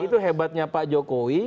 itu hebatnya pak jokowi